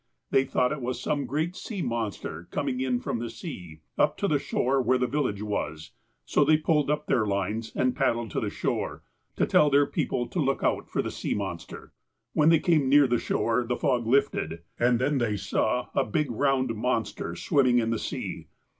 They thought it was some great monster coming in from the sea, up to the shore where the village was, so they pulled up their lines and paddled to the shore, to tell their people to look out for the sea monster. *' When they came near the shore, the fog lifted, and then they saw a big round monster swimming in the sea.